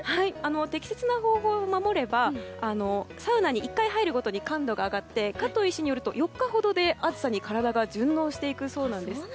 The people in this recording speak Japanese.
適切な方法を守ればサウナに１回入るごとに感度が上がって加藤医師によると４日ほどで暑さに体が順応していくそうなんです。